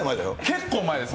結構前です。